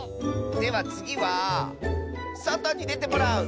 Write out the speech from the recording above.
ではつぎはそとにでてもらう！